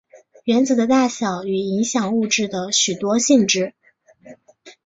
原子的大小与影响物质的许多性质。